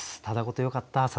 ただごとよかった。